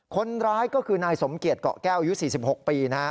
คนร้ายก็คือนายสมเกียรติเกาะแก้วยุค๔๖ปี